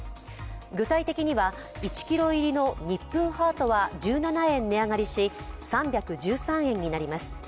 具体的には１ｋｇ入りのニップンハートは１７円値上がりし、３１３円になります。